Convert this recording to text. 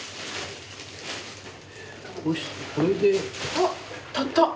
あっ立った！